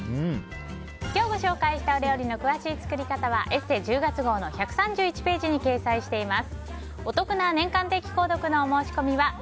今日ご紹介した料理の詳しい作り方は「ＥＳＳＥ」１０月号の１３１ページに掲載しています。